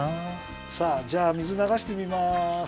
さあじゃあ水ながしてみます！